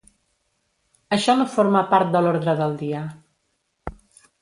Això no forma part de l’ordre del dia.